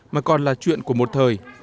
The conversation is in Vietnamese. mà còn là chuyện của một thời